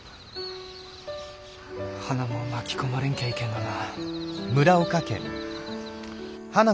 はなも巻き込まれんきゃいいけんどな。